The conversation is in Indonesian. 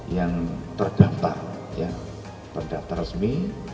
yang terdaftar yang terdaftar resmi